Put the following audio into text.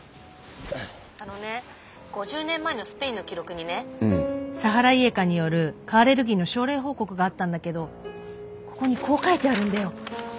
あのね５０年前のスペインの記録にねサハライエカによる蚊アレルギーの症例報告があったんだけどここにこう書いてあるんだよ。